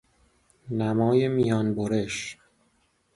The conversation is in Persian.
نمای میان برش